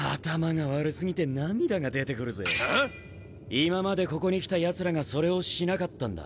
今までここに来たヤツらがそれをしなかったんだ。